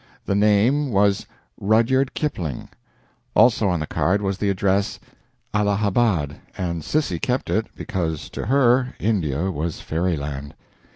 The name was Rudyard Kipling. Also on the card was the address Allahabad, and Sissy kept it, because, to her, India was fairyland.